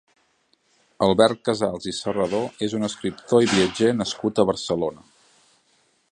Albert Casals i Serradó és un escriptor i viatger nascut a Barcelona.